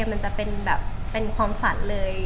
มันจะเป็นความฝันเลย